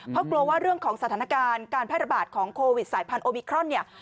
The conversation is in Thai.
เพราะกลัวว่าเรื่องของสถานการณ์การแพร่ระบาดของโควิดสายพันธุมิครอนเนี่ย